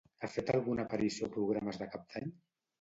Ha fet alguna aparició a programes de cap d'any?